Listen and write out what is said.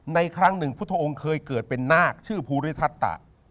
ครั้งหนึ่งพุทธองค์เคยเกิดเป็นนาคชื่อภูริทัศตะ